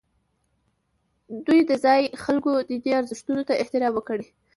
دوی د ځایي خلکو دیني ارزښتونو ته احترام وکړي.